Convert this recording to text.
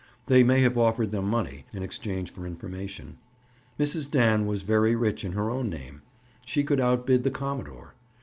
They may have offered them money in exchange for information. Mrs. Dan was very rich in her own name. She could outbid the commodore.